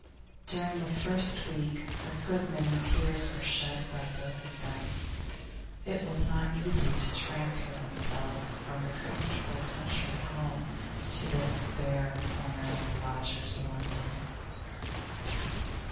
During the first week a good many tears were shed by both of them; it was not easy to transfer themselves from the comfortable country home to this bare corner of lodgers' London.